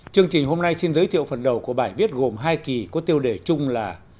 chương trình hôm nay xin giới thiệu phần đầu của bài viết gồm hai kỳ có tiêu đề chung là